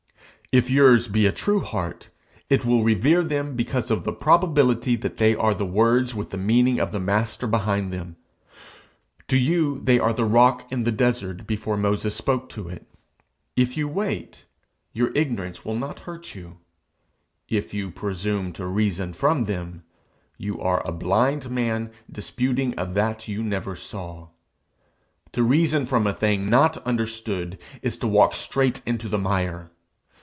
If yours be a true heart, it will revere them because of the probability that they are words with the meaning of the Master behind them; to you they are the rock in the desert before Moses spoke to it. If you wait, your ignorance will not hurt you; if you presume to reason from them, you are a blind man disputing of that you never saw. To reason from a thing not understood, is to walk straight into the mire.